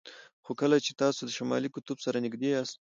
خو کله چې تاسو د شمالي قطب سره نږدې یاست